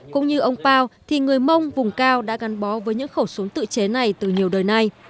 cũng như ông pao thì người mông vùng cao đã gắn bó với những khẩu súng tự chế này từ nhiều đời nay